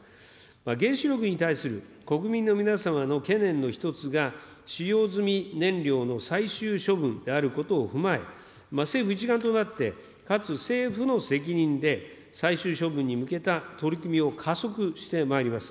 原子力に対する国民の皆様の懸念の一つが、使用済み燃料の最終処分であることを踏まえ、政府一丸となって、かつ政府の責任で最終処分に向けた取り組みを加速してまいります。